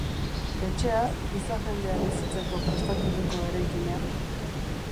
Etxea, gizajendea bizitzeko prestaturiko eraikina.